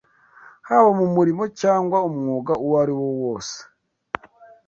haba mu murimo cyangwa umwuga uwo ari wo wose